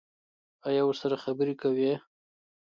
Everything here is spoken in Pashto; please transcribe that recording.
ایا ورسره خبرې کوئ؟